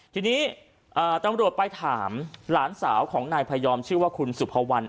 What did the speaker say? ทีนี้ตำรวจไปถามหลานสาวของนายพยอมชื่อว่าคุณสุภาวัน